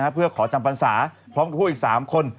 เพื่อขอจำพรรษาพร้อมกับพวกอีก๓คน